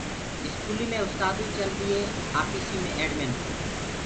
اسڪوليٚ مي استآدوئي چلديٚ هي آپيسيٚ مي ايڊ مينوئيٚ